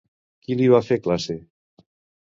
Qui li va fer classe?